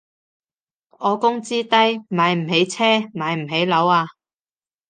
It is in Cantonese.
我工資低，買唔起車買唔起樓啊